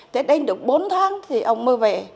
thế đến được bốn tháng thì ông mới về